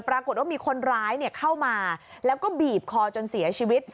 ปรากฏว่ามีคนร้ายเข้ามาแล้วก็บีบคอจนเสียชีวิต